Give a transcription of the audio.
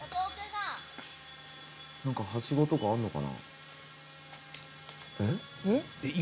何かはしごとかあんのかな？